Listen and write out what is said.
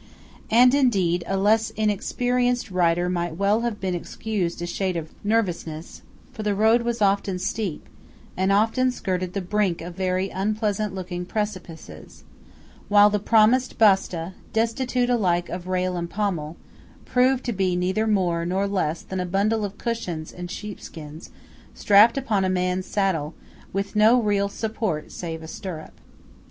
And indeed a less inexperienced rider might well have been excused a shade of nervousness, for the road was often steep, and often skirted the brink of very unpleasant looking precipices; while the promised "basta," destitute alike of rail and pommel, proved to be neither more nor less than a bundle of cushions and sheepskins strapped upon a man's saddle, with no real support save a stirrup.